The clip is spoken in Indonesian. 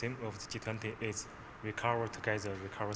mengembangkan bersama dan mengembangkan lebih kuat